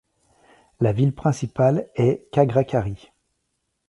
La ville principale est Khagrachari.